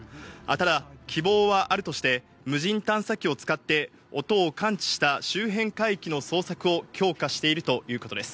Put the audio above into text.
ただ、希望はあるとして、無人探査機を使って音を感知した周辺海域の捜索を強化しているということです。